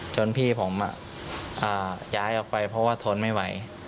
จนพี่ผมย้ายออกไปเพราะว่าทนไม่ไหว